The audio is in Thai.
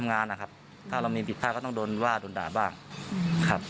หน้างานของเขาก็คือทำดีการบกใจกันเดือนในส่วนของงานเขา